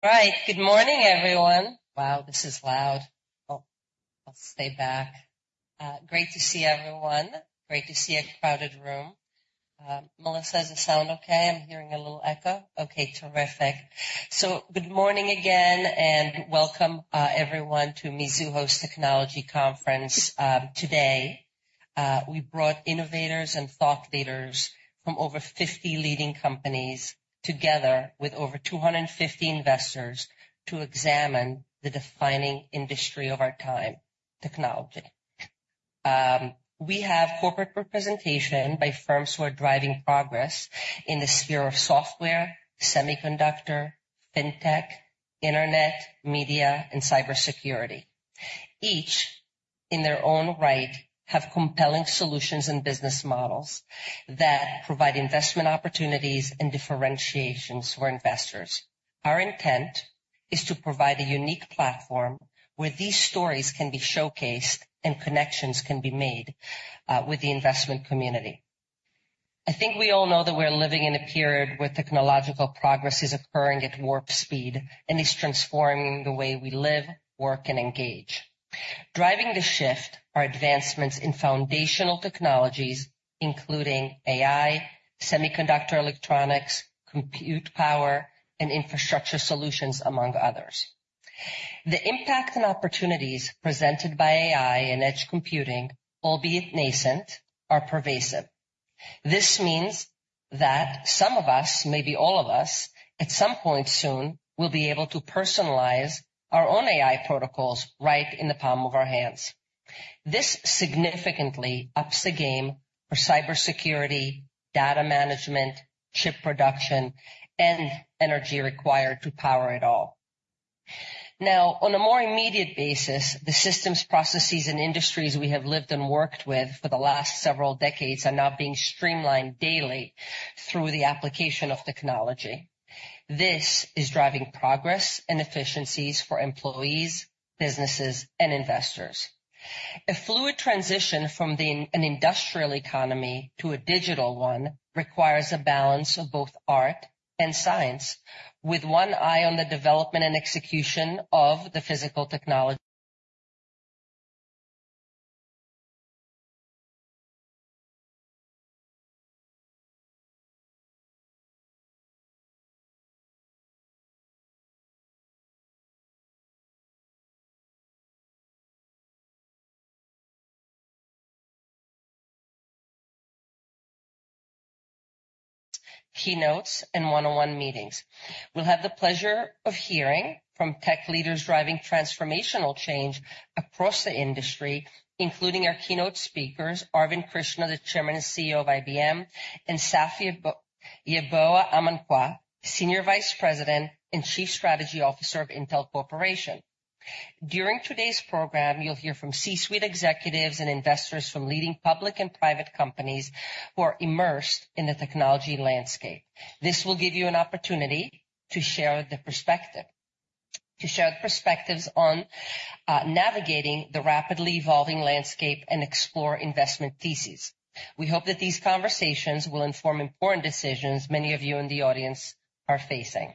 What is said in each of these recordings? All right, good morning, everyone. Wow, this is loud. I'll stay back. Great to see everyone. Great to see a crowded room. Melissa, does it sound okay? I'm hearing a little echo. Okay, terrific. Good morning again, and welcome, everyone, to Mizuho's technology conference today. We brought innovators and thought leaders from over 50 leading companies together with over 250 investors to examine the defining industry of our time, technology. We have corporate representation by firms who are driving progress in the sphere of software, semiconductor, fintech, internet, media, and cybersecurity. Each, in their own right, have compelling solutions and business models that provide investment opportunities and differentiations for investors. Our intent is to provide a unique platform where these stories can be showcased and connections can be made with the investment community. I think we all know that we're living in a period where technological progress is occurring at warp speed and is transforming the way we live, work, and engage. Driving the shift are advancements in foundational technologies, including AI, semiconductor electronics, compute power, and infrastructure solutions, among others. The impact and opportunities presented by AI and edge computing, albeit nascent, are pervasive. This means that some of us, maybe all of us, at some point soon, will be able to personalize our own AI protocols right in the palm of our hands. This significantly ups the game for cybersecurity, data management, chip production, and energy required to power it all. Now, on a more immediate basis, the systems, processes, and industries we have lived and worked with for the last several decades are now being streamlined daily through the application of technology. This is driving progress and efficiencies for employees, businesses, and investors. A fluid transition from an industrial economy to a digital one requires a balance of both art and science, with one eye on the development and execution of the physical technology. Keynotes and one-on-one meetings. We'll have the pleasure of hearing from tech leaders driving transformational change across the industry, including our keynote speakers, Arvind Krishna, the Chairman and CEO of IBM, and Safroadu Yeboah-Amankwah, Senior Vice President and Chief Strategy Officer of Intel Corporation. During today's program, you'll hear from C-suite executives and investors from leading public and private companies who are immersed in the technology landscape. This will give you an opportunity to share the perspectives on navigating the rapidly evolving landscape and explore investment theses. We hope that these conversations will inform important decisions many of you in the audience are facing.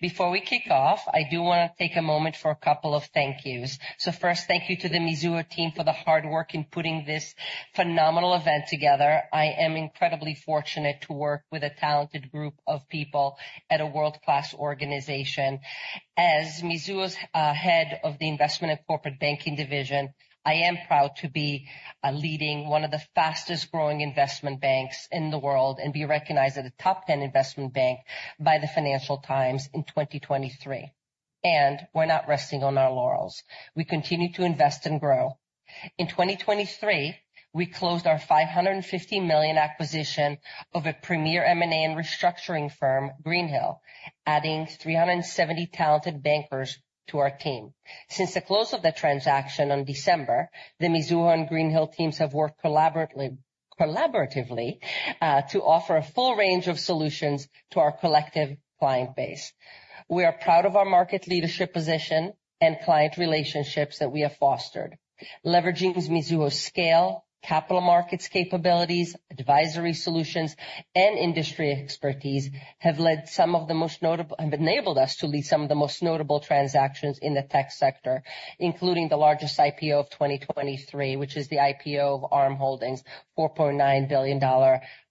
Before we kick off, I do want to take a moment for a couple of thank-yous. So first, thank you to the Mizuho team for the hard work in putting this phenomenal event together. I am incredibly fortunate to work with a talented group of people at a world-class organization. As Mizuho's head of the Investment and Corporate Banking Division, I am proud to be leading one of the fastest-growing investment banks in the world and be recognized as a top-ten investment bank by the Financial Times in 2023. And we're not resting on our laurels. We continue to invest and grow. In 2023, we closed our $550 million acquisition of a premier M&A and restructuring firm, Greenhill, adding 370 talented bankers to our team. Since the close of the transaction in December, the Mizuho and Greenhill teams have worked collaboratively to offer a full range of solutions to our collective client base. We are proud of our market leadership position and client relationships that we have fostered. Leveraging Mizuho's scale, capital markets capabilities, advisory solutions, and industry expertise have enabled us to lead some of the most notable transactions in the tech sector, including the largest IPO of 2023, which is the IPO of Arm Holdings, $4.9 billion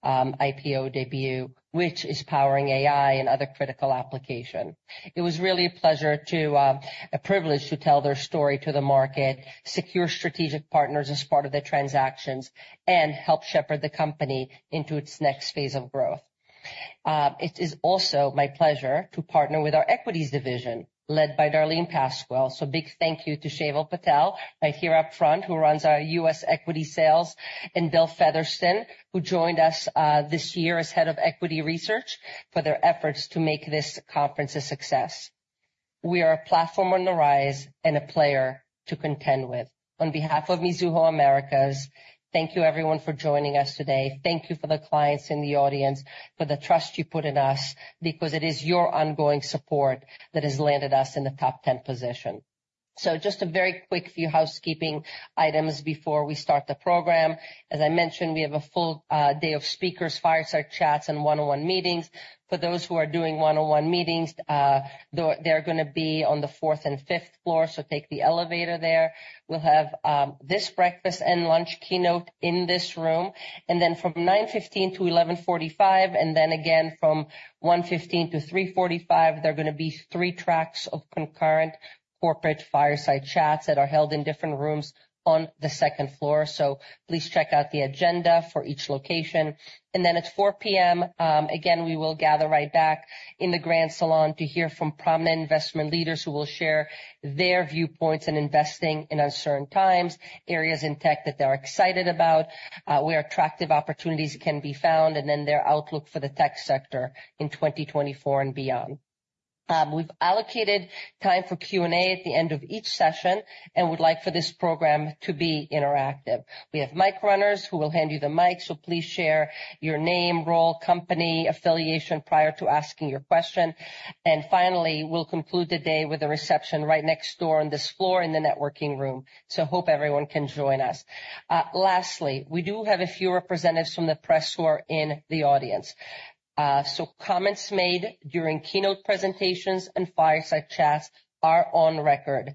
IPO debut, which is powering AI and other critical applications. It was really a pleasure, a privilege to tell their story to the market, secure strategic partners as part of the transactions, and help shepherd the company into its next phase of growth. It is also my pleasure to partner with our Equities Division, led by Darlene Pasquill. So a big thank-you to Suhail Patel right here up front, who runs our U.S. equity sales, and Bill Featherston, who joined us this year as Head of Equity Research for their efforts to make this conference a success. We are a platform on the rise and a player to contend with. On behalf of Mizuho Americas, thank you, everyone, for joining us today. Thank you for the clients in the audience, for the trust you put in us, because it is your ongoing support that has landed us in the top-ten position. So just a very quick few housekeeping items before we start the program. As I mentioned, we have a full day of speakers, fireside chats, and one-on-one meetings. For those who are doing one-on-one meetings, they're going to be on the fourth and fifth floor, so take the elevator there. We'll have this breakfast and lunch keynote in this room. Then from 9:15 A.M. to 11:45 A.M., and then again from 1:15 P.M. to 3:45 P.M., there are going to be three tracks of concurrent corporate fireside chats that are held in different rooms on the second floor. Please check out the agenda for each location. Then at 4:00 P.M., again, we will gather right back in the Grand Salon to hear from prominent investment leaders who will share their viewpoints on investing in [remove] times, areas in tech that they're excited about, where attractive opportunities can be found, and then their outlook for the tech sector in 2024 and beyond. We've allocated time for Q&A at the end of each session and would like for this program to be interactive. We have mic runners who will hand you the mic, so please share your name, role, company, affiliation prior to asking your question. And finally, we'll conclude the day with a reception right next door on this floor in the networking room. So, hope everyone can join us. Lastly, we do have a few representatives from the press who are in the audience. So, comments made during keynote presentations and fireside chats are on record.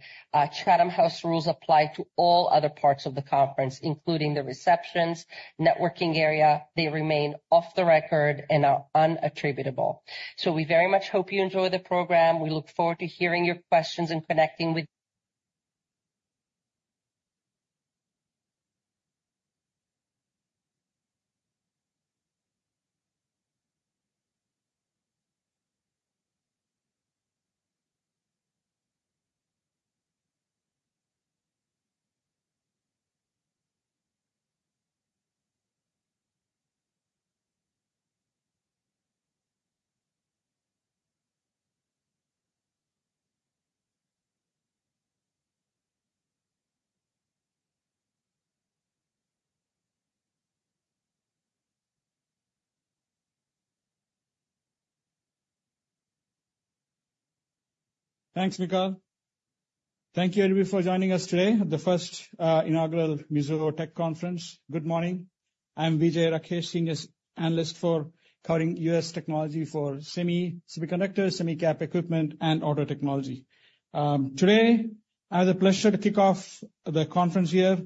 Chatham House rules apply to all other parts of the conference, including the receptions, networking area. They remain off the record and are unattributable. So, we very much hope you enjoy the program. We look forward to hearing your questions and connecting with. Thanks, Michal. Thank you, everybody, for joining us today at the first inaugural Mizuho Tech Conference. Good morning. I'm Vijay Rakesh, Senior Analyst for covering U.S. technology for semiconductor, semicap equipment, and auto technology. Today, I have the pleasure to kick off the conference here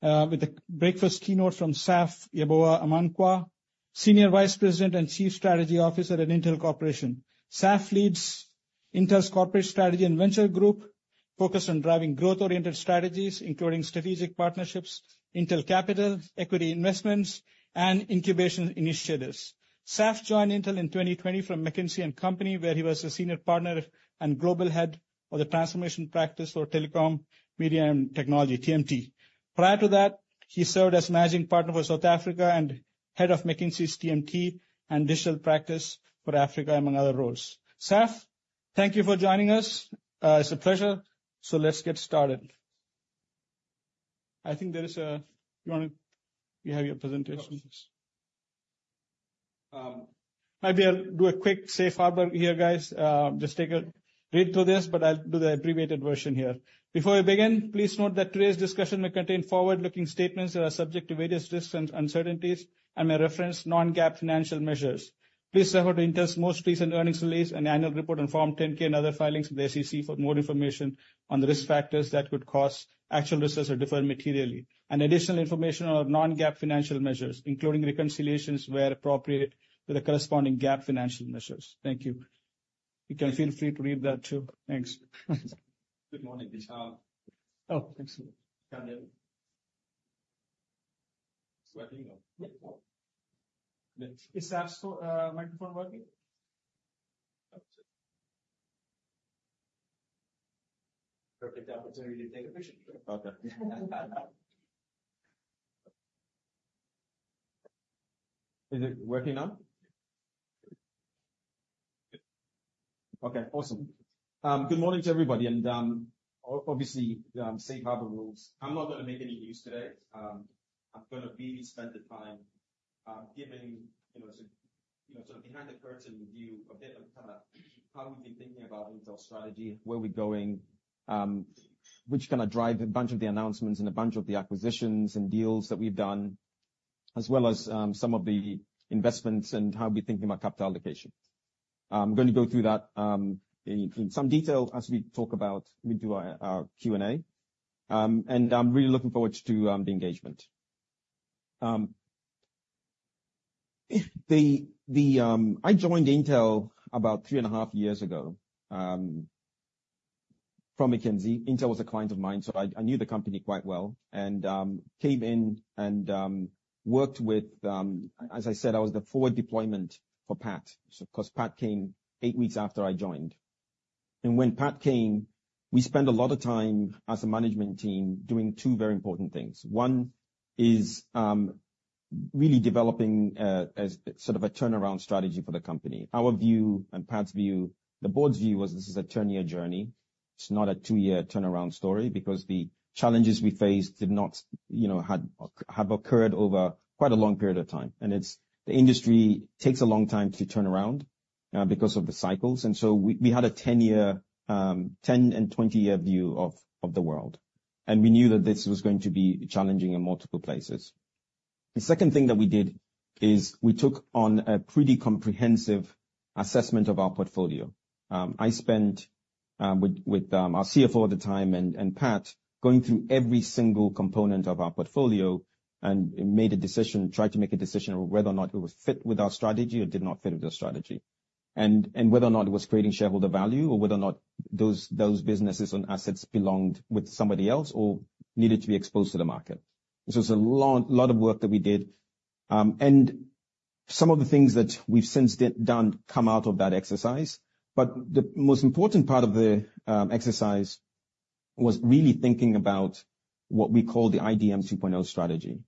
with a breakfast keynote from Safroadu Yeboah-Amankwah, Senior Vice President and Chief Strategy Officer at Intel Corporation. Safroadu leads Intel's Corporate Strategy and Venture Group, focused on driving growth-oriented strategies, including strategic partnerships, Intel Capital equity investments, and incubation initiatives. Safroadu joined Intel in 2020 from McKinsey & Company, where he was a Senior Partner and Global Head of the Transformation Practice for Telecom, Media, and Technology, TMT. Prior to that, he served as Managing Partner for South Africa and Head of McKinsey's TMT and Digital Practice for Africa, among other roles. Safroadu, thank you for joining us. It's a pleasure. So let's get started. I think you want to have your presentation. [Remove]. I'll do a quick safe harbor here, guys. Just take a read through this, but I'll do the abbreviated version here. Before we begin, please note that today's discussion may contain forward-looking statements that are subject to various risks and uncertainties, and may reference non-GAAP financial measures. Please refer to Intel's most recent earnings release and annual report on Form 10-K and other filings of the SEC for more information on the risk factors that could cause actual risks or differ materially. Additional information on non-GAAP financial measures, including reconciliations where appropriate with the corresponding GAAP financial measures. Thank you. You can feel free to read that too. Thanks. Good morning, Vijay. Oh, thanks. Is Saf's microphone working? Perfect opportunity to take a picture. Okay. Is it working now? Okay, awesome. Good morning to everybody. Obviously, safe harbor rules. I'm not going to make any news today. I'm going to really spend the time giving sort of behind-the-curtain view of how we've been thinking about Intel's strategy, where we're going, which kind of drive a bunch of the announcements and a bunch of the acquisitions and deals that we've done, as well as some of the investments and how we're thinking about capital allocation. I'm going to go through that in some detail as we talk about our Q&A. I'm really looking forward to the engagement. I joined Intel about three and a half years ago from McKinsey. Intel was a client of mine, so I knew the company quite well. I came in and worked with, as I said, I was the forward deployment for Pat. So of course, Pat came eight weeks after I joined. And when Pat came, we spent a lot of time as a management team doing two very important things. One is really developing sort of a turnaround strategy for the company. Our view and Pat's view, the board's view, was this is a 10-year journey. It's not a two-year turnaround story because the challenges we faced did not have occurred over quite a long period of time. And the industry takes a long time to turn around because of the cycles. And so we had a 10-year, 10- and 20-year view of the world. And we knew that this was going to be challenging in multiple places. The second thing that we did is we took on a pretty comprehensive assessment of our portfolio. I spent with our CFO at the time and Pat going through every single component of our portfolio and made a decision, tried to make a decision on whether or not it would fit with our strategy or did not fit with our strategy, and whether or not it was creating shareholder value or whether or not those businesses and assets belonged with somebody else or needed to be exposed to the market. It's a lot of work that we did. Some of the things that we've since done come out of that exercise. But the most important part of the exercise was really thinking about what we call the IDM 2.0 strategy.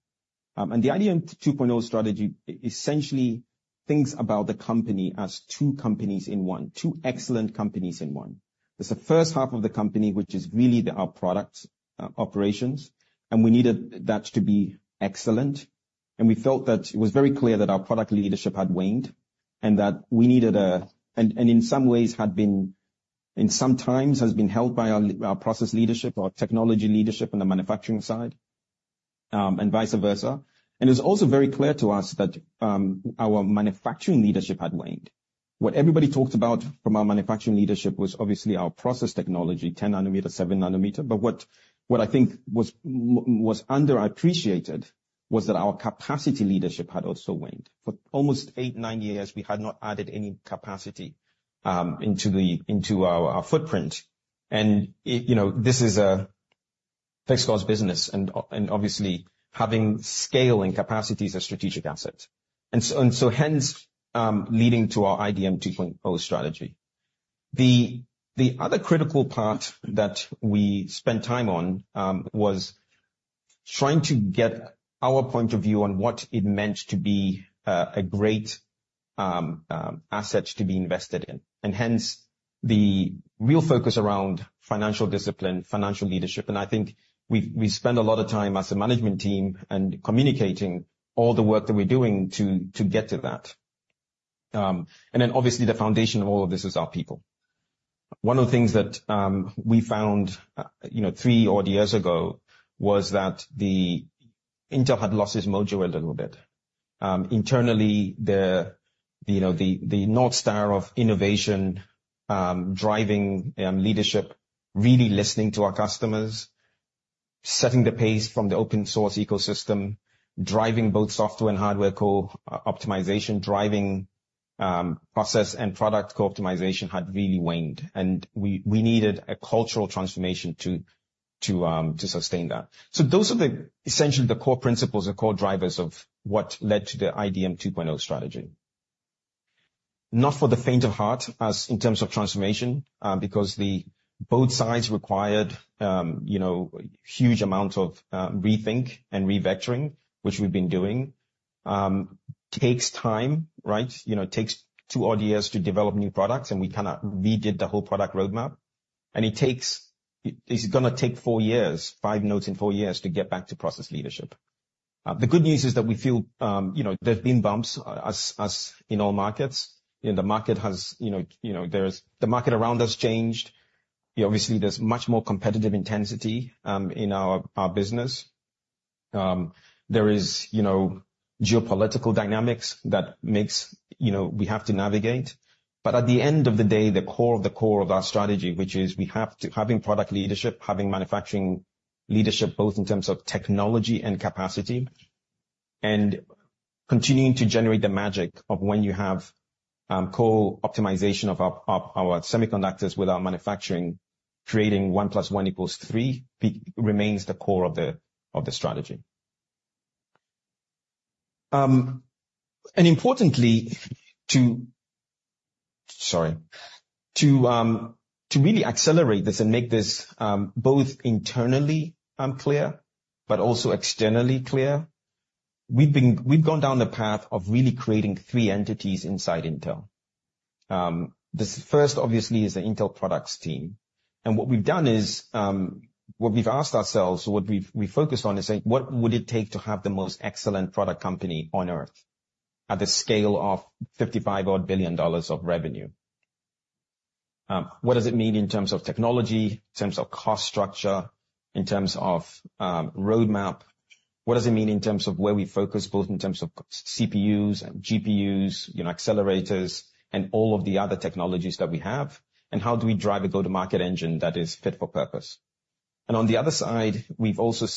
The IDM 2.0 strategy essentially thinks about the company as two companies in one, two excellent companies in one. There's the first half of the company, which is really our product operations, and we needed that to be excellent. We felt that it was very clear that our product leadership had waned and that we needed—and in some ways had been—in some times has been held by our process leadership, our technology leadership on the manufacturing side, and vice versa. It was also very clear to us that our manufacturing leadership had waned. What everybody talked about from our manufacturing leadership was obviously our process technology, 10 nanometer, 7 nanometer. But what I think was underappreciated was that our capacity leadership had also waned. For almost 8-9 years, we had not added any capacity into our footprint. This is a fixed-cost business, and obviously having scale and capacity is a strategic asset. Hence leading to our IDM 2.0 strategy. The other critical part that we spent time on was trying to get our point of view on what it meant to be a great asset to be invested in. Hence the real focus around financial discipline, financial leadership. I think we spend a lot of time as a management team and communicating all the work that we're doing to get to that. Then obviously the foundation of all of this is our people. One of the things that we found three odd years ago was that Intel had lost its mojo a little bit. Internally, the North Star of innovation, driving leadership, really listening to our customers, setting the pace from the open-source ecosystem, driving both software and hardware co-optimization, driving process and product co-optimization had really waned. We needed a cultural transformation to sustain that. So those are essentially the core principles, the core drivers of what led to the IDM 2.0 strategy. Not for the faint of heart in terms of transformation, because both sides required a huge amount of rethink and revectoring, which we've been doing. Takes time, right? Takes 2 odd years to develop new products, and we kind of redid the whole product roadmap. And it's going to take 4 years, 5 nodes in 4 years to get back to process leadership. The good news is that we feel there's been bumps as in all markets. The market around us changed. Obviously, there's much more competitive intensity in our business. There is geopolitical dynamics that makes we have to navigate. But at the end of the day, the core of the core of our strategy, which is we have to have product leadership, having manufacturing leadership both in terms of technology and capacity, and continuing to generate the magic of when you have core optimization of our semiconductors with our manufacturing, creating one plus one equals three remains the core of the strategy. And importantly, sorry, to really accelerate this and make this both internally clear, but also externally clear, we've gone down the path of really creating three entities inside Intel. The first, obviously, is the Intel products team. And what we've done is what we've asked ourselves, what we focus on is saying, what would it take to have the most excellent product company on earth at the scale of $55 billion of revenue? What does it mean in terms of technology, in terms of cost structure, in terms of roadmap? What does it mean in terms of where we focus both in terms of CPUs and GPUs, accelerators, and all of the other technologies that we have? And how do we drive a go-to-market engine that is fit for purpose? And on the other side, we've also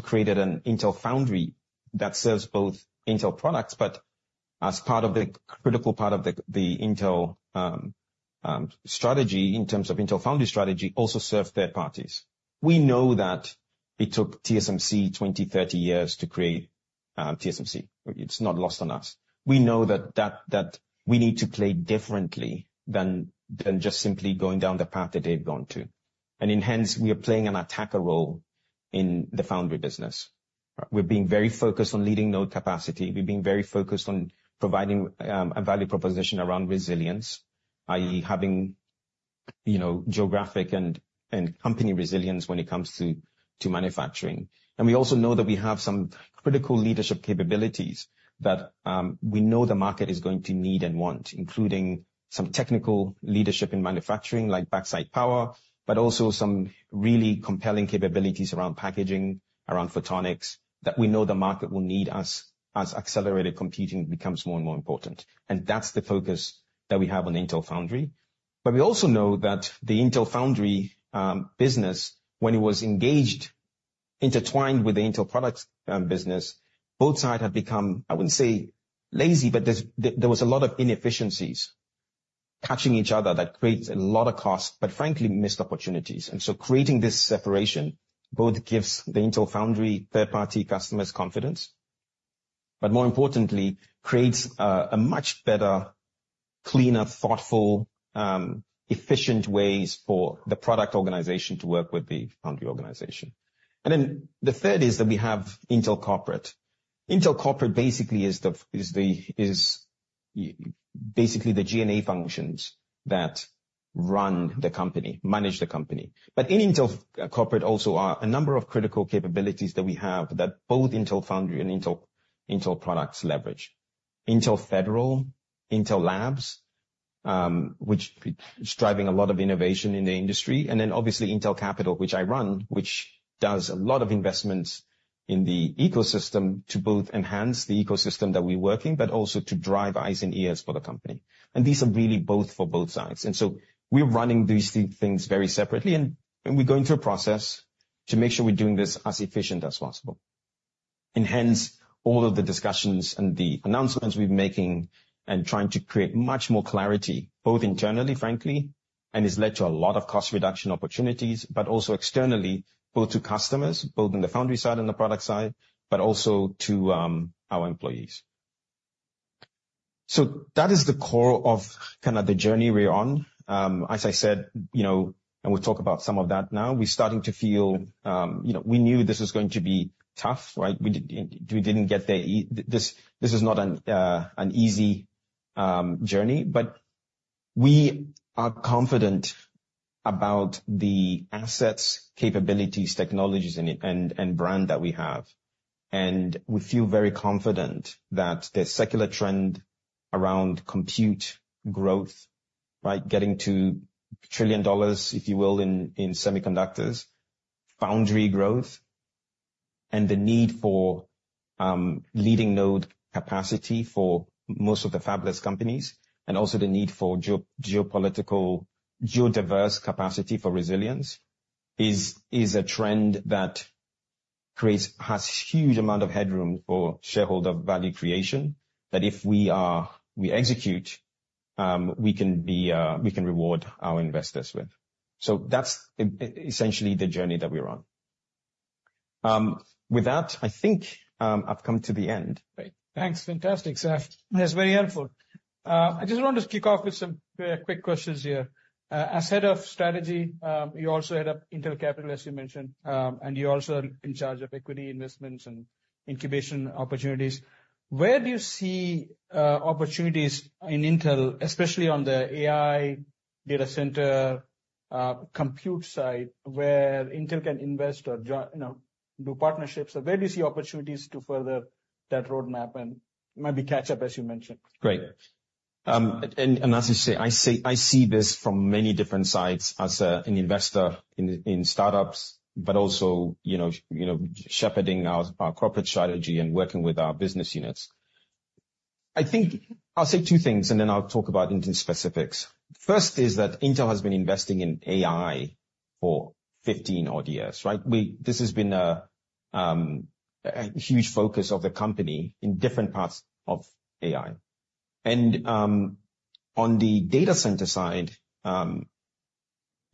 created an Intel Foundry that serves both Intel products, but as part of the critical part of the Intel strategy in terms of Intel Foundry strategy, also serves third parties. We know that it took TSMC 20-30 years to create TSMC. It's not lost on us. We know that we need to play differently than just simply going down the path that they've gone to. And hence, we are playing an attacker role in the foundry business. We're being very focused on leading node capacity. We've been very focused on providing a value proposition around resilience, i.e., having geographic and company resilience when it comes to manufacturing. We also know that we have some critical leadership capabilities that we know the market is going to need and want, including some technical leadership in manufacturing like backside power, but also some really compelling capabilities around packaging, around photonics that we know the market will need as accelerated computing becomes more and more important. That's the focus that we have on Intel Foundry. We also know that the Intel Foundry business, when it was engaged, intertwined with the Intel products business, both sides have become, I wouldn't say lazy, but there was a lot of inefficiencies catching each other that creates a lot of costs, but frankly, missed opportunities. And so creating this separation both gives the Intel Foundry third-party customers confidence, but more importantly, creates a much better, cleaner, thoughtful, efficient ways for the product organization to work with the foundry organization. And then the third is that we have Intel Corporate. Intel Corporate basically is basically the G&A functions that run the company, manage the company. But in Intel Corporate also are a number of critical capabilities that we have that both Intel Foundry and Intel products leverage. Intel Federal, Intel Labs, which is driving a lot of innovation in the industry. And then obviously Intel Capital, which I run, which does a lot of investments in the ecosystem to both enhance the ecosystem that we work in, but also to drive eyes and ears for the company. And these are really both for both sides. So we're running these things very separately, and we're going through a process to make sure we're doing this as efficient as possible. In essence, all of the discussions and the announcements we're making and trying to create much more clarity both internally, frankly, and has led to a lot of cost reduction opportunities, but also externally both to customers, both on the foundry side and the product side, but also to our employees. So that is the core of kind of the journey we're on. As I said, we'll talk about some of that now. We're starting to feel we knew this was going to be tough, right? We didn't get there. This is not an easy journey, but we are confident about the assets, capabilities, technologies, and brand that we have. We feel very confident that the secular trend around compute growth, right, getting to $1 trillion, if you will, in semiconductors, foundry growth, and the need for leading node capacity for most of the fabless companies, and also the need for geopolitical, geodiverse capacity for resilience is a trend that has a huge amount of headroom for shareholder value creation that if we execute, we can reward our investors with. So that's essentially the journey that we're on. With that, I think I've come to the end. Thanks. Fantastic, Saf. That's very helpful. I just wanted to kick off with some quick questions here. As head of strategy, you also head up Intel Capital, as you mentioned, and you're also in charge of equity investments and incubation opportunities. Where do you see opportunities in Intel, especially on the AI data center compute side, where Intel can invest or do partnerships? Where do you see opportunities to further that roadmap and maybe catch up, as you mentioned? Great. As you say, I see this from many different sides as an investor in startups, but also shepherding our corporate strategy and working with our business units. I think I'll say two things, and then I'll talk about Intel specifics. First is that Intel has been investing in AI for 15-odd years, right? This has been a huge focus of the company in different parts of AI. And on the data center side, our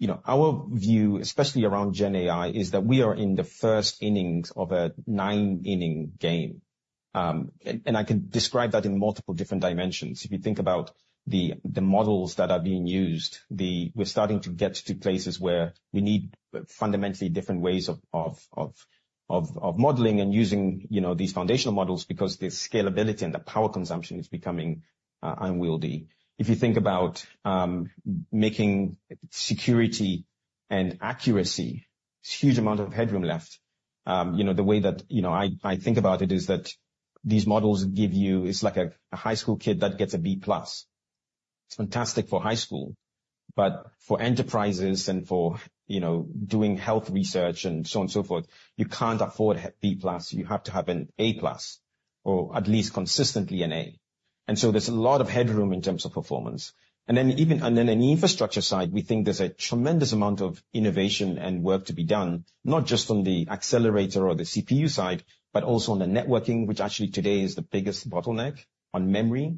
view, especially around Gen AI, is that we are in the first innings of a nine-inning game. And I can describe that in multiple different dimensions. If you think about the models that are being used, we're starting to get to places where we need fundamentally different ways of modeling and using these foundational models because the scalability and the power consumption is becoming unwieldy. If you think about making security and accuracy, it's a huge amount of headroom left. The way that I think about it is that these models give you, it's like a high school kid that gets a B plus. It's fantastic for high school, but for enterprises and for doing health research and so on and so forth, you can't afford B plus. You have to have an A plus or at least consistently an A. And so there's a lot of headroom in terms of performance. And then even on the infrastructure side, we think there's a tremendous amount of innovation and work to be done, not just on the accelerator or the CPU side, but also on the networking, which actually today is the biggest bottleneck on memory,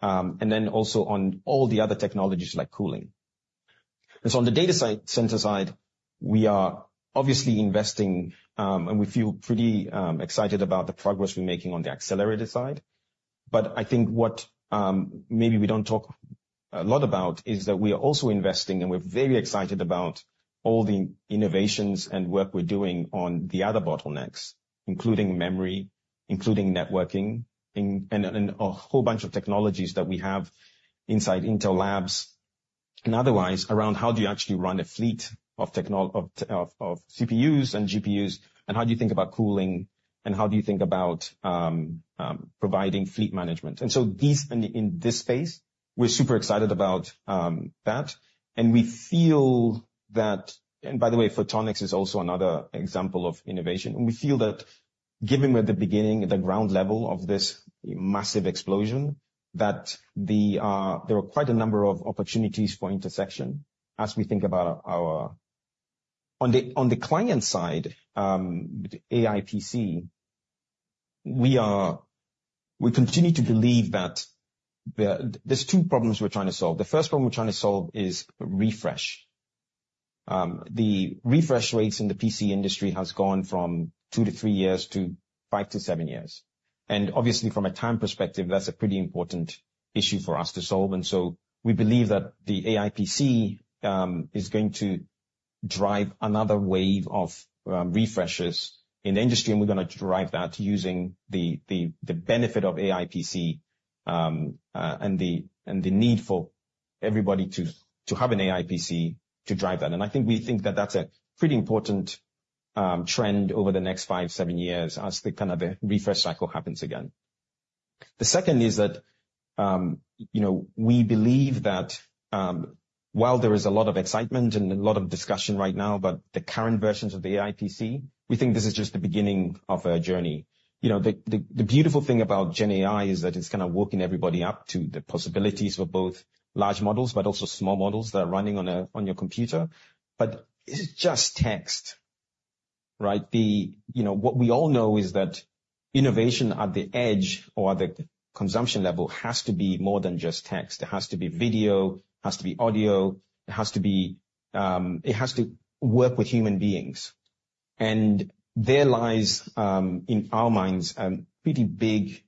and then also on all the other technologies like cooling. On the data center side, we are obviously investing, and we feel pretty excited about the progress we're making on the accelerator side. But I think what maybe we don't talk a lot about is that we are also investing, and we're very excited about all the innovations and work we're doing on the other bottlenecks, including memory, including networking, and a whole bunch of technologies that we have inside Intel Labs and otherwise around how do you actually run a fleet of CPUs and GPUs, and how do you think about cooling, and how do you think about providing fleet management? In this space, we're super excited about that. And we feel that, and by the way, photonics is also another example of innovation. We feel that given we're at the beginning, the ground level of this massive explosion, that there are quite a number of opportunities for intersection as we think about our on the client side, AI PC. We continue to believe that there's two problems we're trying to solve. The first problem we're trying to solve is refresh. The refresh rates in the PC industry have gone from 2-3 years to 5-7 years. And obviously, from a time perspective, that's a pretty important issue for us to solve. And so we believe that the AI PC is going to drive another wave of refreshes in the industry, and we're going to drive that using the benefit of AI PC and the need for everybody to have an AI PC to drive that. I think we think that that's a pretty important trend over the next 5-7 years as kind of the refresh cycle happens again. The second is that we believe that while there is a lot of excitement and a lot of discussion right now, but the current versions of the AI PC, we think this is just the beginning of a journey. The beautiful thing about Gen AI is that it's kind of walking everybody up to the possibilities for both large models, but also small models that are running on your computer. But it's just text, right? What we all know is that innovation at the edge or at the consumption level has to be more than just text. It has to be video, it has to be audio, it has to work with human beings. There lies in our minds a pretty big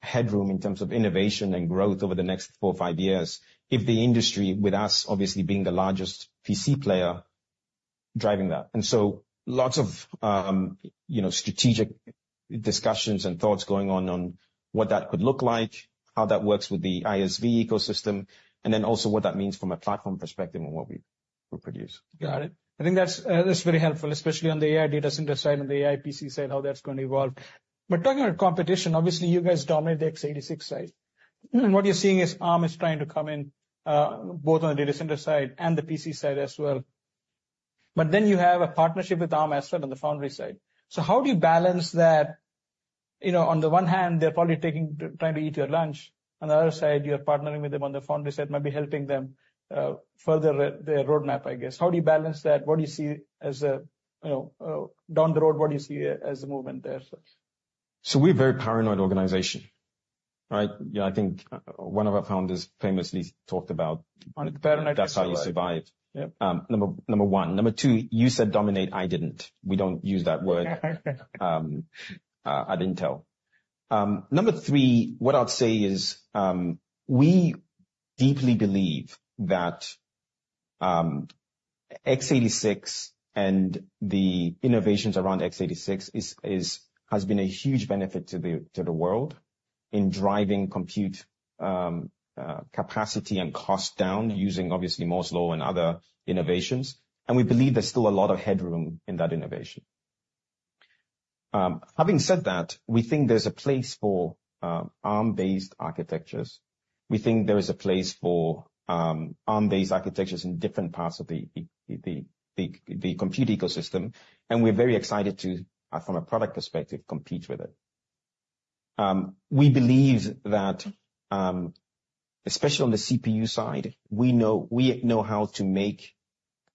headroom in terms of innovation and growth over the next 4, 5 years if the industry with us, obviously being the largest PC player, driving that. And so lots of strategic discussions and thoughts going on on what that could look like, how that works with the ISV ecosystem, and then also what that means from a platform perspective and what we produce. Got it. I think that's very helpful, especially on the AI data center side and the AI PC side, how that's going to evolve. But talking about competition, obviously, you guys dominate the x86 side. And what you're seeing is Arm is trying to come in both on the data center side and the PC side as well. But then you have a partnership with Arm on the foundry side. So how do you balance that? On the one hand, they're probably trying to eat your lunch. On the other side, you're partnering with them on the foundry side, maybe helping them further their roadmap, I guess. How do you balance that? What do you see down the road? What do you see as a movement there? So we're a very paranoid organization, right? I think one of our founders famously talked about. On the paranoid side. That's how you survive. Number 1. Number 2, you said dominate, I didn't. We don't use that word at Intel. Number 3, what I'd say is we deeply believe that x86 and the innovations around x86 has been a huge benefit to the world in driving compute capacity and cost down using obviously Moore's Law and other innovations. And we believe there's still a lot of headroom in that innovation. Having said that, we think there's a place for ARM-based architectures. We think there is a place for ARM-based architectures in different parts of the compute ecosystem. And we're very excited to, from a product perspective, compete with it. We believe that especially on the CPU side, we know how to make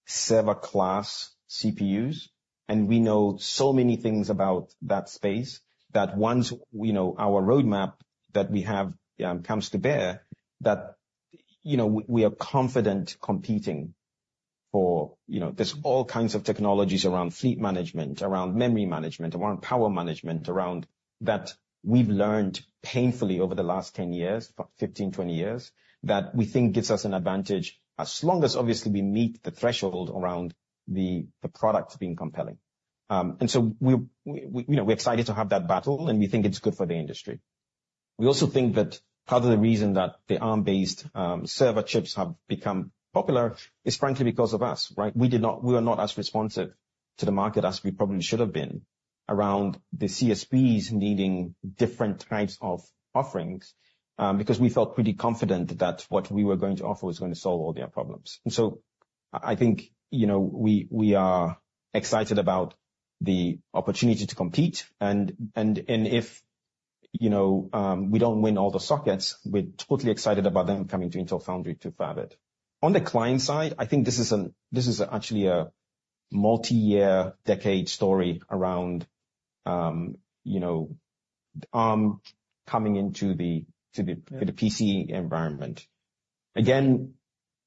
server-class CPUs. And we know so many things about that space that once our roadmap that we have comes to bear, that we are confident competing for. There's all kinds of technologies around fleet management, around memory management, around power management, around that we've learned painfully over the last 10 years, 15, 20 years, that we think gives us an advantage as long as obviously we meet the threshold around the product being compelling. And so we're excited to have that battle, and we think it's good for the industry. We also think that part of the reason that the ARM-based server chips have become popular is frankly because of us, right? We are not as responsive to the market as we probably should have been around the CSPs needing different types of offerings because we felt pretty confident that what we were going to offer was going to solve all their problems. And so I think we are excited about the opportunity to compete. And if we don't win all the sockets, we're totally excited about them coming to Intel Foundry to fight it. On the client side, I think this is actually a multi-year decade story around Arm coming into the PC environment. Again,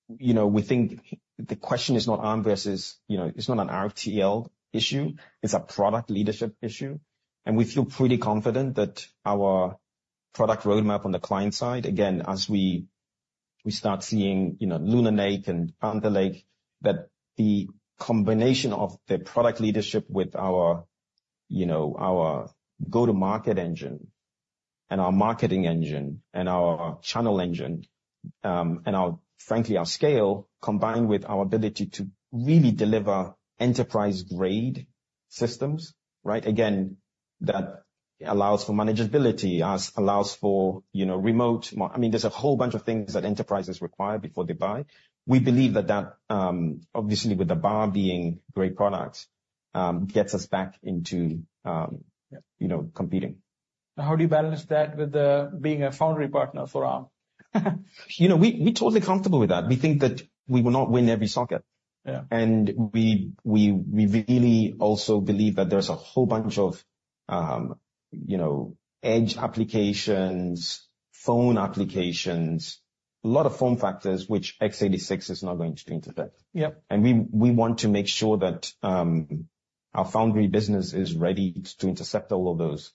we think the question is not Arm versus it's not an RTL issue. It's a product leadership issue. We feel pretty confident that our product roadmap on the client side, again, as we start seeing Lunar Lake and Panther Lake, that the combination of the product leadership with our go-to-market engine and our marketing engine and our channel engine and frankly our scale combined with our ability to really deliver enterprise-grade systems, right? Again, that allows for manageability, allows for remote. I mean, there's a whole bunch of things that enterprises require before they buy. We believe that that, obviously, with the bar being great products, gets us back into competing. How do you balance that with being a foundry partner for Arm? We're totally comfortable with that. We think that we will not win every socket. We really also believe that there's a whole bunch of edge applications, phone applications, a lot of form factors which x86 is not going to intercept. We want to make sure that our foundry business is ready to intercept all of those.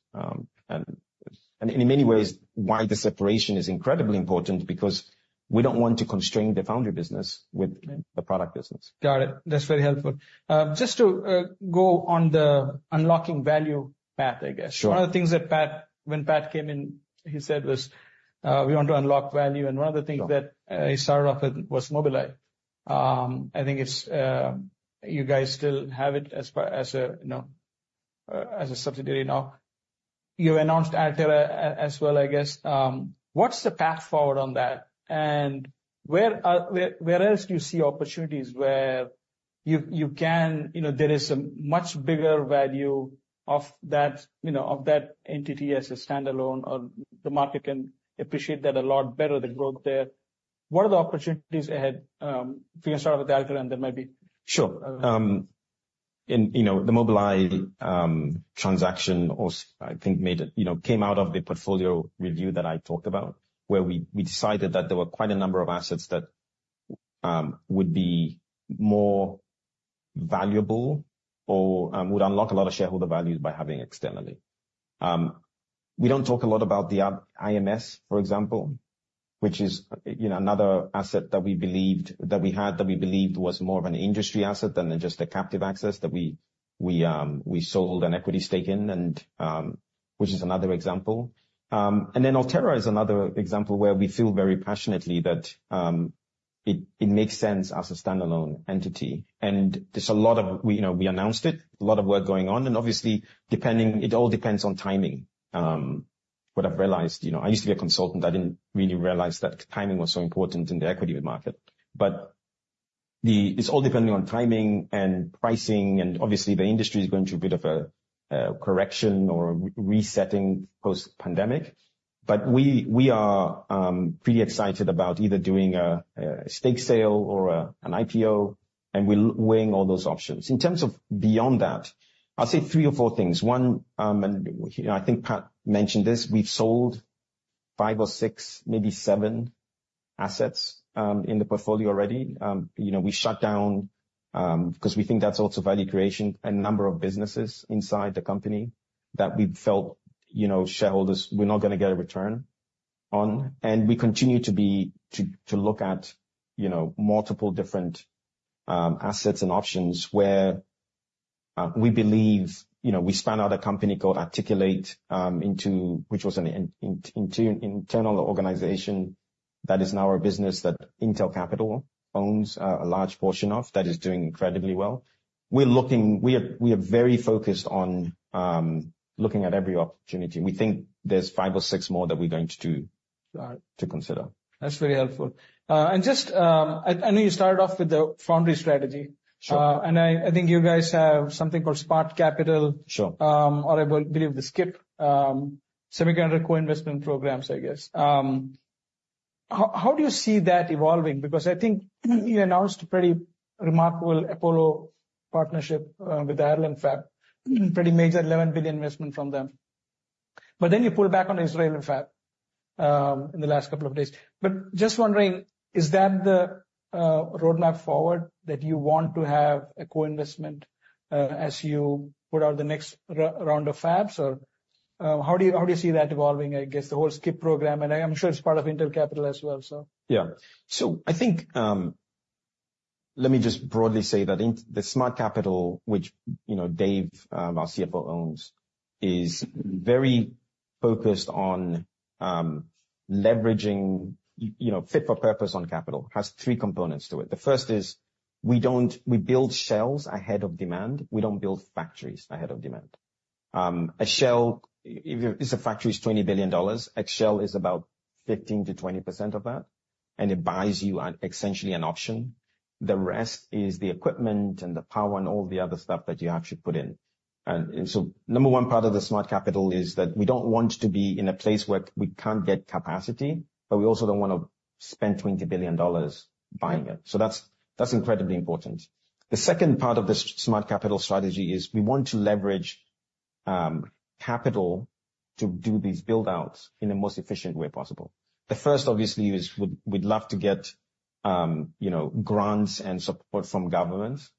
In many ways, why the separation is incredibly important because we don't want to constrain the foundry business with the product business. Got it. That's very helpful. Just to go on the unlocking value path, I guess. One of the things that when Pat came in, he said was, "We want to unlock value." And one of the things that he started off with was Mobileye. I think you guys still have it as a subsidiary now. You announced Altera as well, I guess. What's the path forward on that? And where else do you see opportunities where you can there is a much bigger value of that entity as a standalone or the market can appreciate that a lot better, the growth there? What are the opportunities ahead? If you can start with Altera and then maybe. Sure. The Mobileye transaction, or I think it came out of the portfolio review that I talked about where we decided that there were quite a number of assets that would be more valuable or would unlock a lot of shareholder value by having externally. We don't talk a lot about the IMS, for example, which is another asset that we believed that we had that we believed was more of an industry asset than just a captive access that we sold an equity stake in, which is another example. And then Altera is another example where we feel very passionately that it makes sense as a standalone entity. And there's a lot of, we announced it, a lot of work going on. And obviously, it all depends on timing, what I've realized. I used to be a consultant. I didn't really realize that timing was so important in the equity market. But it's all depending on timing and pricing. And obviously, the industry is going through a bit of a correction or resetting post-pandemic. But we are pretty excited about either doing a stake sale or an IPO and weighing all those options. In terms of beyond that, I'll say 3 or 4 things. One, and I think Pat mentioned this, we've sold 5 or 6, maybe 7 assets in the portfolio already. We shut down because we think that's also value creation, a number of businesses inside the company that we felt shareholders were not going to get a return on. We continue to look at multiple different assets and options where we believe we spun out a company called Articul8, which was an internal organization that is now a business that Intel Capital owns a large portion of that is doing incredibly well. We're very focused on looking at every opportunity. We think there's five or six more that we're going to consider. That's very helpful. Just, I know you started off with the foundry strategy. And I think you guys have something called Smart Capital or I believe the SCIP Semiconductor Co-Investment Program, I guess. How do you see that evolving? Because I think you announced a pretty remarkable Apollo partnership with Ireland fab, pretty major $11 billion investment from them. But then you pulled back on Israeli fab in the last couple of days. But just wondering, is that the roadmap forward that you want to have a co-investment as you put out the next round of fabs? Or how do you see that evolving, I guess, the whole SCIP program? And I'm sure it's part of Intel Capital as well, so. Yeah. So I think let me just broadly say that the Smart Capital, which Dave, our CFO, owns, is very focused on leveraging fit for purpose on capital. It has three components to it. The first is we build shells ahead of demand. We don't build factories ahead of demand. A shell, if it's a factory, is $20 billion. A shell is about 15%-20% of that. And it buys you essentially an option. The rest is the equipment and the power and all the other stuff that you actually put in. And so number one part of the Smart Capital is that we don't want to be in a place where we can't get capacity, but we also don't want to spend $20 billion buying it. So that's incredibly important. The second part of the Smart Capital strategy is we want to leverage capital to do these build-outs in the most efficient way possible. The first, obviously, is we'd love to get grants and support from governments,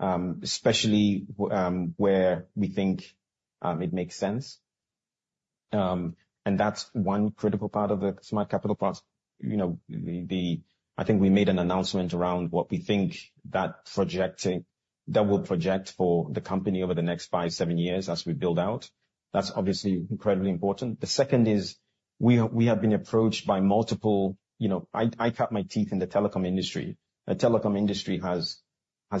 especially where we think it makes sense. And that's one critical part of the Smart Capital part. I think we made an announcement around what we think that will project for the company over the next 5, 7 years as we build out. That's obviously incredibly important. The second is we have been approached by multiple. I cut my teeth in the telecom industry. The telecom industry has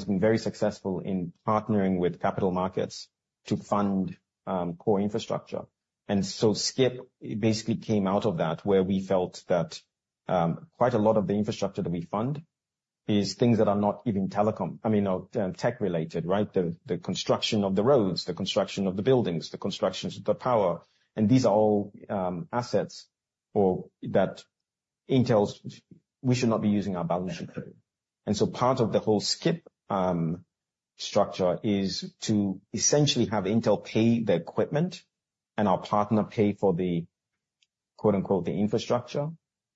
been very successful in partnering with capital markets to fund core infrastructure. And so SCIP basically came out of that where we felt that quite a lot of the infrastructure that we fund is things that are not even telecom, I mean, tech-related, right? The construction of the roads, the construction of the buildings, the construction of the power. These are all assets that Intel, we should not be using our balance sheet for. So part of the whole SCIP structure is to essentially have Intel pay the equipment and our partner pay for the "infrastructure"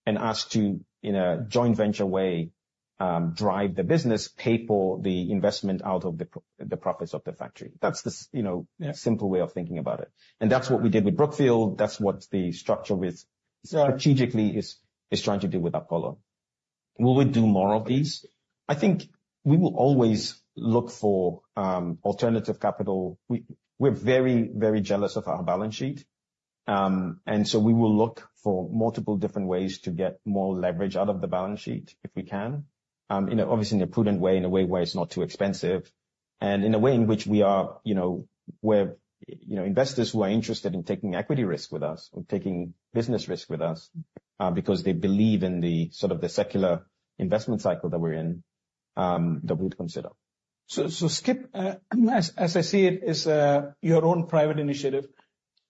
and us to, in a joint venture way, drive the business, pay for the investment out of the profits of the factory. That's the simple way of thinking about it. That's what we did with Brookfield. That's what the structure with Apollo strategically is trying to do. Will we do more of these? I think we will always look for alternative capital. We're very, very jealous of our balance sheet. And so we will look for multiple different ways to get more leverage out of the balance sheet if we can, obviously in a prudent way, in a way where it's not too expensive, and in a way in which we are where investors who are interested in taking equity risk with us or taking business risk with us because they believe in the sort of the secular investment cycle that we're in, that we'd consider. So SCIP, as I see it, is your own private initiative.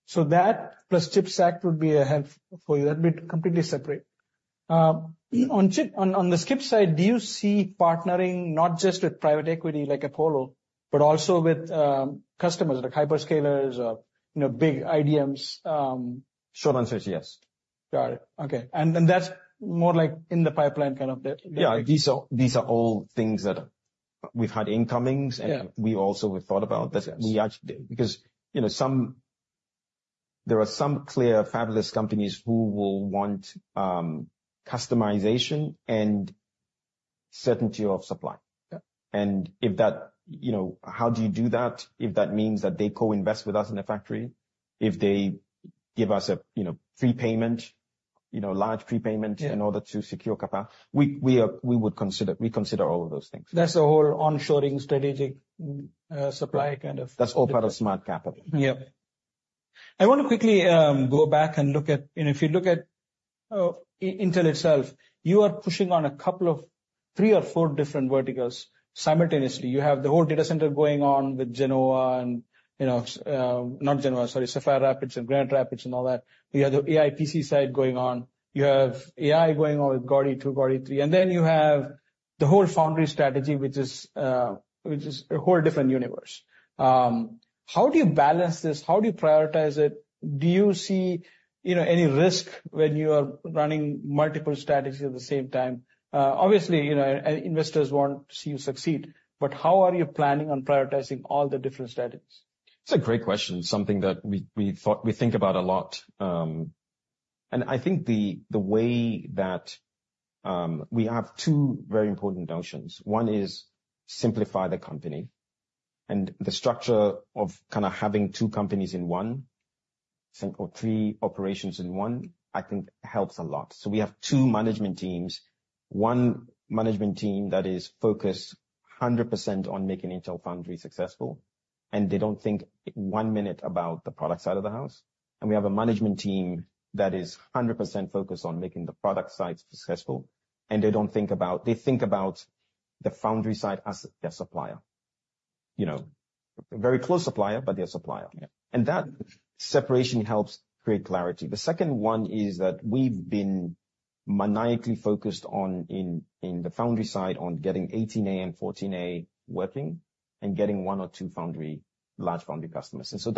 So that plus CHIPS Act would be a help for you. That'd be completely separate. On the SCIP side, do you see partnering not just with private equity like Apollo, but also with customers like hyperscalers or big IDMs? Short answer is yes. Got it. Okay. And that's more like in the pipeline kind of. Yeah. These are all things that we've had incomings and we also have thought about that we actually because there are some clear fabless companies who will want customization and certainty of supply. And how do you do that if that means that they co-invest with us in the factory, if they give us a prepayment, large prepayment in order to secure capacity? We would consider all of those things. That's the whole onshoring strategic supply kind of. That's all part of Smart Capital. Yeah. I want to quickly go back and look at if you look at Intel itself, you are pushing on a couple of three or four different verticals simultaneously. You have the whole data center going on with Genoa and not Genoa, sorry, Sapphire Rapids and Granite Rapids and all that. You have the AI PC side going on. You have AI going on with Gaudi 2, Gaudi 3. And then you have the whole foundry strategy, which is a whole different universe. How do you balance this? How do you prioritize it? Do you see any risk when you are running multiple strategies at the same time? Obviously, investors want to see you succeed. But how are you planning on prioritizing all the different strategies? It's a great question. Something that we think about a lot. I think the way that we have two very important notions. One is simplify the company. The structure of kind of having two companies in one or three operations in one, I think helps a lot. So we have two management teams. One management team that is focused 100% on making Intel Foundry successful. They don't think one minute about the product side of the house. We have a management team that is 100% focused on making the product side successful. They don't think about, they think about the foundry side as their supplier. Very close supplier, but their supplier. That separation helps create clarity. The second one is that we've been maniacally focused on in the foundry side on getting 18A and 14A working and getting one or two large foundry customers. And so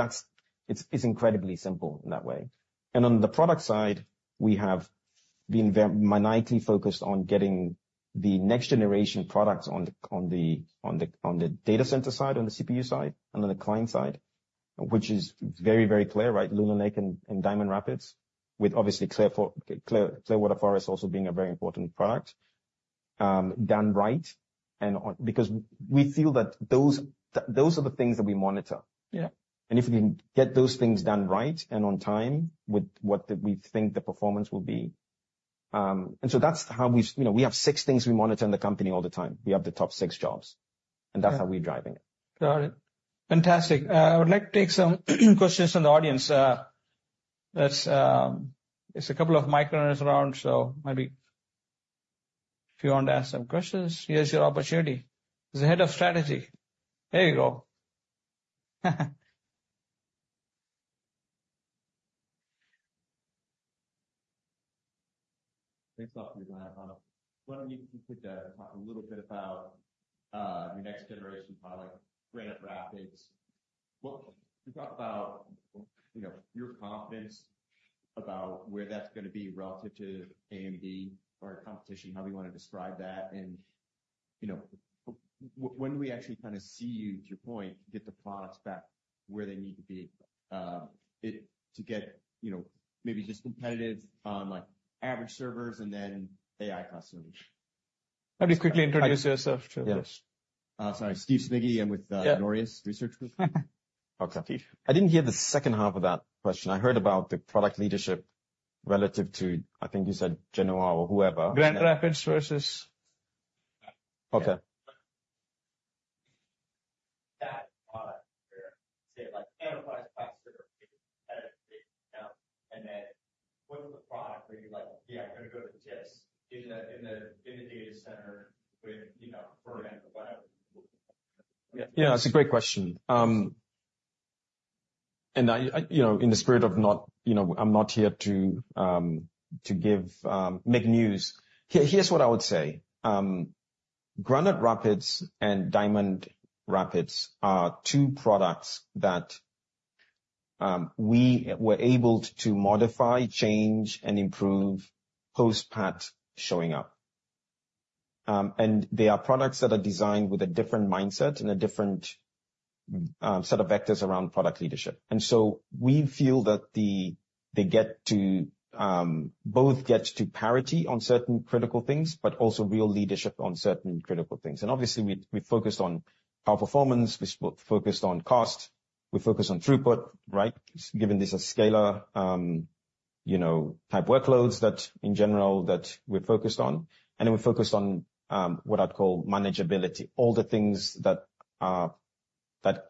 it's incredibly simple in that way. On the product side, we have been maniacally focused on getting the next generation products on the data center side, on the CPU side, and on the client side, which is very, very clear, right? Lunar Lake and Diamond Rapids, with obviously Clearwater Forest also being a very important product. Done right. Because we feel that those are the things that we monitor. And if we can get those things done right and on time with what we think the performance will be. So that's how we have six things we monitor in the company all the time. We have the top six jobs. And that's how we're driving it. Got it. Fantastic. I would like to take some questions from the audience. There's a couple of microphones around, so maybe if you want to ask some questions, here's your opportunity. As the head of strategy, there you go. Thanks, Uncertain. I wanted to quickly talk a little bit about your next-generation product, Granite Rapids. You talked about your confidence about where that's going to be relative to AMD or competition, how you want to describe that. And when do we actually kind of see you, to your point, get the products back where they need to be to get maybe just competitive on average servers and then AI customers? Can you quickly introduce yourself to us? Yes. Sorry. Steve Smigie. I'm with Raymond James Okay. I didn't hear the second half of that question. I heard about the product leadership relative to, I think you said, Genoa or whoever. Granite Rapids versus. Okay. That product where, say, Enterprise Class or competitive now. And then what's the product where you're like, "Yeah, I'm going to go to the chips in the data center with NVIDIA or whatever. Yeah, that's a great question. In the spirit of not, I'm not here to make news. Here's what I would say. Granite Rapids and Diamond Rapids are two products that we were able to modify, change, and improve post-Pat showing up. They are products that are designed with a different mindset and a different set of vectors around product leadership. So we feel that they both get to parity on certain critical things, but also real leadership on certain critical things. Obviously, we focused on our performance. We focused on cost. We focused on throughput, right? Given this is a scalar type workloads that in general that we're focused on. Then we focused on what I'd call manageability, all the things that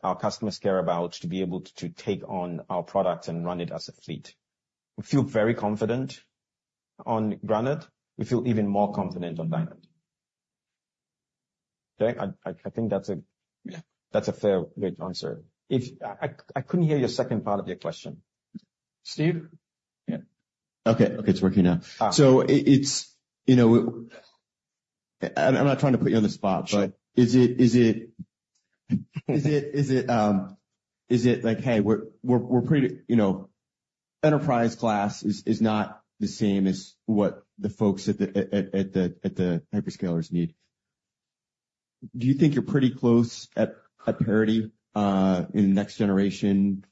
our customers care about to be able to take on our product and run it as a fleet. We feel very confident on Granite. We feel even more confident on Diamond. Okay? I think that's a fair great answer. I couldn't hear your second part of your question. Steve? It's working now. So I'm not trying to put you on the spot, but is it like, "Hey, we're pretty enterprise class is not the same as what the folks at the hyperscalers need." Do you think you're pretty close at parity in next generation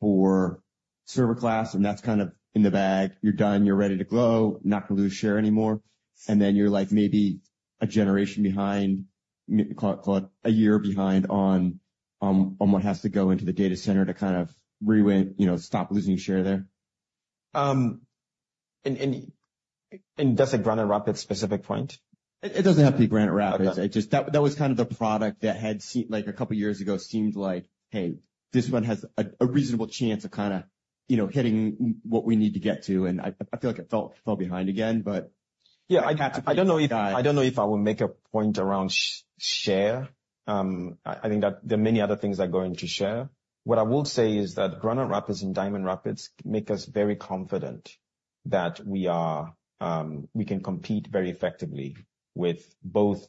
for server class? And that's kind of in the bag. You're done. You're ready to go. Not going to lose share anymore. And then you're maybe a generation behind, call it a year behind on what has to go into the data center to kind of stop losing share there. Does it Granite Rapids-specific point? It doesn't have to be Granite Rapids. That was kind of the product that had seemed like a couple of years ago seemed like, "Hey, this one has a reasonable chance of kind of hitting what we need to get to." And I feel like it fell behind again, but. Yeah. I don't know if I will make a point around share. I think that there are many other things that go into share. What I will say is that Granite Rapids and Diamond Rapids make us very confident that we can compete very effectively with both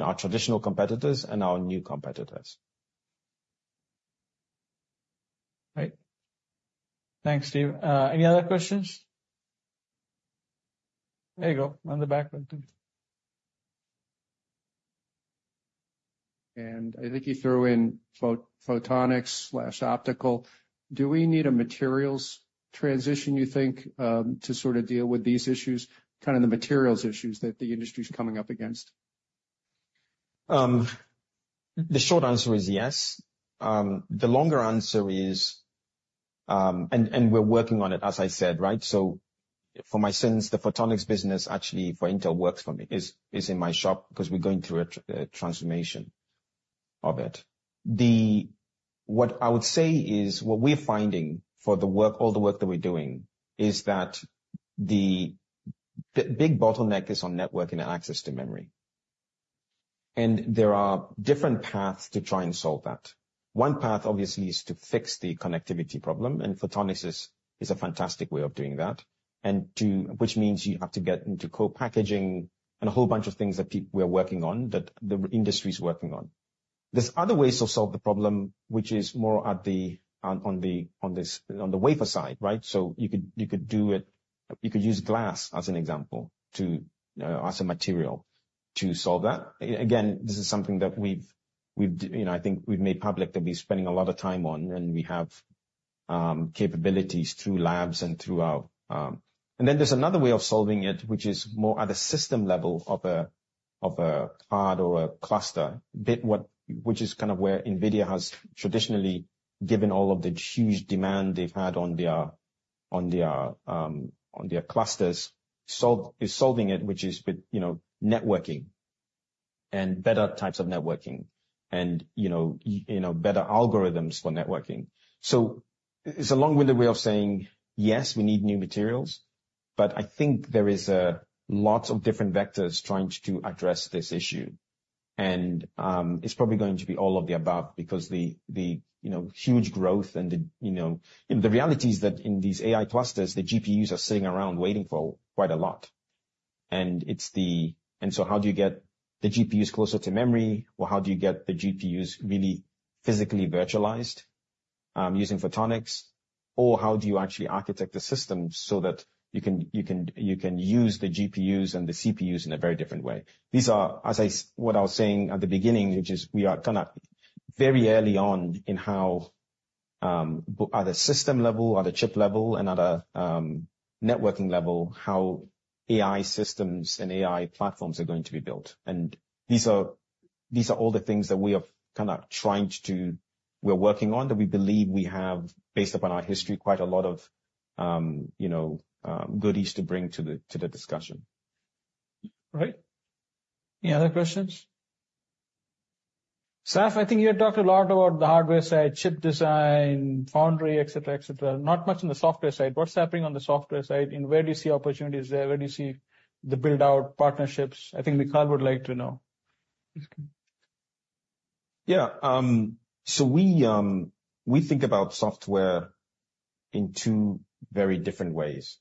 our traditional competitors and our new competitors. All right. Thanks, Steve. Any other questions? There you go. On the background. And I think you threw in photonics/optical. Do we need a materials transition, you think, to sort of deal with these issues, kind of the materials issues that the industry is coming up against? The short answer is yes. The longer answer is, and we're working on it, as I said, right? So for my sense, the photonics business actually for Intel works for me is in my shop because we're going through a transformation of it. What I would say is what we're finding for all the work that we're doing is that the big bottleneck is on networking and access to memory. And there are different paths to try and solve that. One path, obviously, is to fix the connectivity problem. And photonics is a fantastic way of doing that, which means you have to get into co-packaging and a whole bunch of things that we're working on, that the industry is working on. There's other ways to solve the problem, which is more on the wafer side, right? So you could do it. You could use glass as an example as a material to solve that. Again, this is something that I think we've made public that we're spending a lot of time on, and we have capabilities through labs and through our and then there's another way of solving it, which is more at a system level of a pod or a cluster, which is kind of where NVIDIA has traditionally given all of the huge demand they've had on their clusters, is solving it, which is with networking and better types of networking and better algorithms for networking. So it's a long-winded way of saying, yes, we need new materials, but I think there are lots of different vectors trying to address this issue. And it's probably going to be all of the above because the huge growth and the reality is that in these AI clusters, the GPUs are sitting around waiting for quite a lot. And so how do you get the GPUs closer to memory, or how do you get the GPUs really physically virtualized using photonics, or how do you actually architect the system so that you can use the GPUs and the CPUs in a very different way? These are, as what I was saying at the beginning, which is we are kind of very early on in how, at a system level, at a chip level, and at a networking level, how AI systems and AI platforms are going to be built. These are all the things that we are kind of working on that we believe we have, based upon our history, quite a lot of goodies to bring to the discussion. All right. Any other questions? Saf, I think you had talked a lot about the hardware side, chip design, foundry, etc., etc. Not much on the software side. What's happening on the software side? And where do you see opportunities there? Where do you see the build-out partnerships? I think Michael would like to know. Yeah. So we think about software in two very different ways.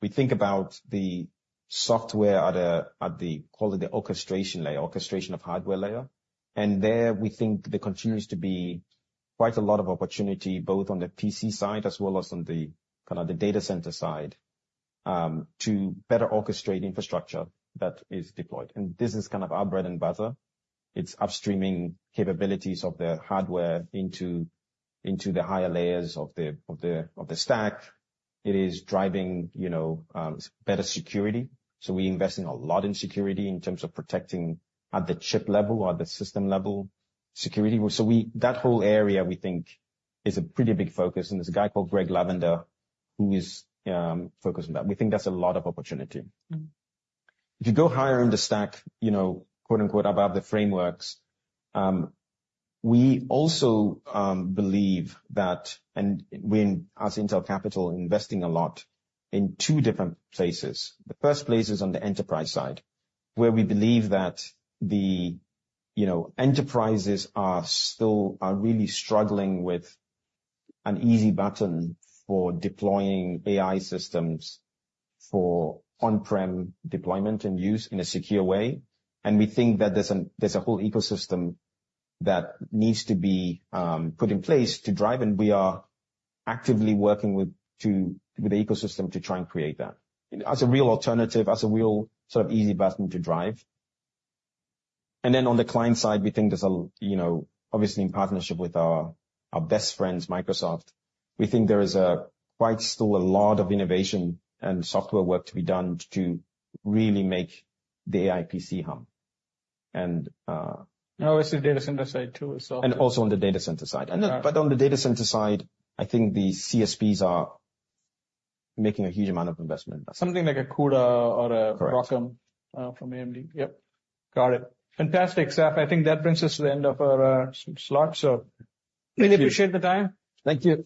We think about the software at the, call it the orchestration layer, orchestration of hardware layer. And there, we think there continues to be quite a lot of opportunity, both on the PC side as well as on the kind of the data center side, to better orchestrate infrastructure that is deployed. And this is kind of our bread and butter. It's upstreaming capabilities of the hardware into the higher layers of the stack. It is driving better security. So we invest in a lot in security in terms of protecting at the chip level or at the system level security. So that whole area, we think, is a pretty big focus. And there's a guy called Greg Lavender who is focused on that. We think that's a lot of opportunity. If you go higher in the stack, quote-unquote, "above the frameworks," we also believe that, and we're, as Intel Capital, investing a lot in two different places. The first place is on the enterprise side, where we believe that the enterprises are still really struggling with an easy button for deploying AI systems for on-prem deployment and use in a secure way. And we think that there's a whole ecosystem that needs to be put in place to drive. And we are actively working with the ecosystem to try and create that as a real alternative, as a real sort of easy button to drive. And then on the client side, we think there's a, obviously, in partnership with our best friends, Microsoft, we think there is quite still a lot of innovation and software work to be done to really make the AI PC hum. Obviously, data center side too. Also on the data center side. On the data center side, I think the CSPs are making a huge amount of investment. Something like a CUDA or a ROCm from AMD. Yep. Got it. Fantastic. Saf, I think that brings us to the end of our slots. So really appreciate the time. Thank you.